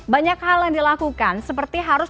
banyak hal yang dilakukan seperti harus